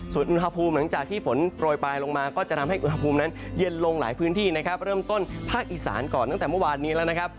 ส่วนอุณหภูมิหลังจากที่ฝนโปรยปลายลงมาก็จะทำให้อุณหภูมินั้นเย็นลงหลายพื้นที่นะครับเริ่มต้นภาคอีสานก่อนตั้งแต่เมื่อวานนี้แล้วนะครับ